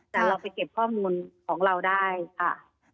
แต่เราไปเก็บข้อมูลของเราได้ค่ะ